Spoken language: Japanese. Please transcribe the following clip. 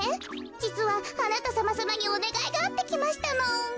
じつはあなたさまさまにおねがいがあってきましたの。